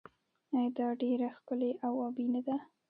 آیا دا ډیره ښکلې او ابي نه ده؟